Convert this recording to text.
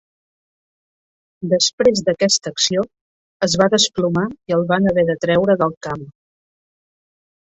Després d'aquesta acció, es va desplomar i el van haver de treure del camp.